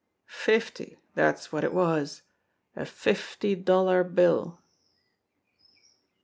Fifty, dat's wot it was a fifty dollar bill."